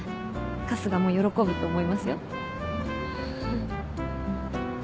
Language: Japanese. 春日も喜ぶと思いますよ。